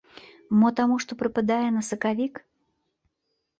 Мо таму што прыпадае на сакавік.